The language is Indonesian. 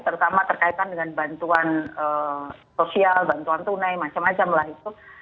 terutama terkaitan dengan bantuan sosial bantuan tunai macam macam lah itu